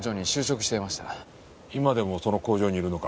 今でもその工場にいるのか？